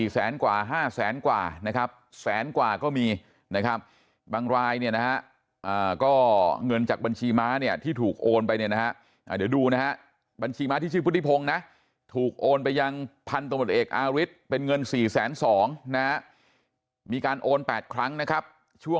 แสนกว่า๕แสนกว่านะครับแสนกว่าก็มีนะครับบางรายเนี่ยนะฮะก็เงินจากบัญชีม้าเนี่ยที่ถูกโอนไปเนี่ยนะฮะเดี๋ยวดูนะฮะบัญชีม้าที่ชื่อพุทธิพงศ์นะถูกโอนไปยังพันธมตเอกอาริสเป็นเงิน๔๒๐๐นะฮะมีการโอน๘ครั้งนะครับช่วง